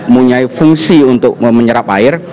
punya fungsi untuk menyerap air